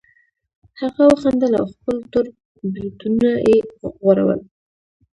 هغه وخندل او خپل تور بریتونه یې وغوړول